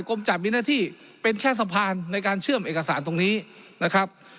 จัดมีหน้าที่เป็นแค่สะพานในการเชื่อมเอกสารตรงนี้นะครับ